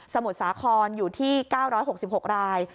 สมุดสาขอนอยู่ที่๙๖๖ราย